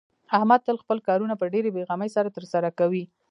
احمد تل خپل کارونه په ډېرې بې غمۍ سره ترسره کوي.